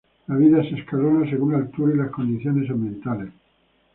La vida se escalona según la altura y las condiciones ambientales.